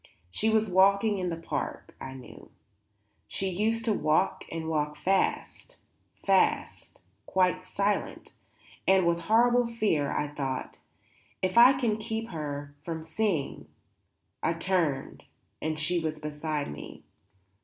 She was walking in the park, I knew; she used to walk and walk fast, fast, quite silent; and with horrible fear I thought: If I can keep her from seeing. I turned and she was beside me.